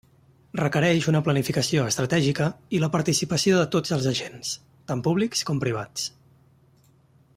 Requereix una planificació estratègica i la participació de tots els agents, tant públics com privats.